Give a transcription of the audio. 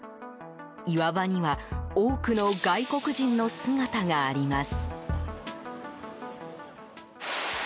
岩場には多くの外国人の姿があります。